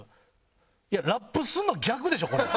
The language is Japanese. いやラップするの逆でしょこれ。